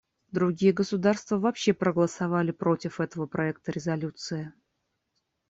Другие государства вообще проголосовали против этого проекта резолюции.